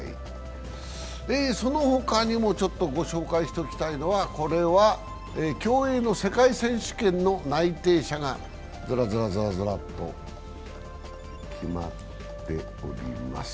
そのほかにもご紹介しておきたいのは、競泳の世界選手権の内定者がずらずらずらっと決まっております。